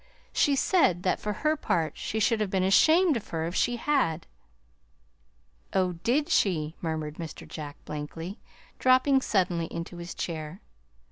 She said that for her part she should have been ashamed of her if she had!" "Oh, did she!" murmured Mr. Jack blankly, dropping suddenly into his chair.